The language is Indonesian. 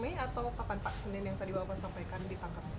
mei atau kapan pak senin yang tadi bapak sampaikan ditangkap